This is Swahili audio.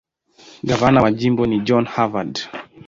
Gavana wa jimbo ni John Harvard.